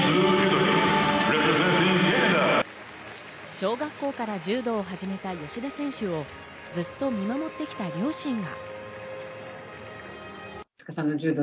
小学校から柔道を始めた芳田選手をずっと見守ってきた両親は。